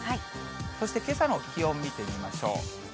そしてけさの気温見てみましょう。